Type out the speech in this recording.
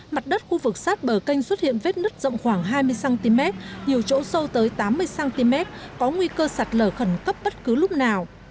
mặt đất khu vực sát bờ canh xuất hiện vết nứt rộng khoảng hai mươi cm nhiều chỗ sâu tới tám mươi cm có nguy cơ sạt lở khẩn cấp bất cứ lúc nào